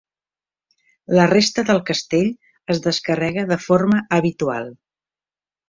La resta del castell es descarrega de forma habitual.